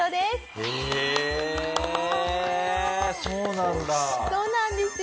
そうなんだ。